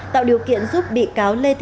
tạo điều kiện giúp bị cáo lê thị tài